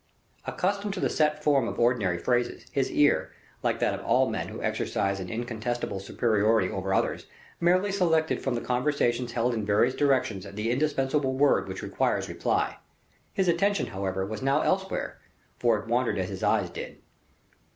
Accustomed to the set form of ordinary phrases, his ear, like that of all men who exercise an incontestable superiority over others, merely selected from the conversations held in various directions the indispensable word which requires reply. His attention, however, was now elsewhere, for it wandered as his eyes did.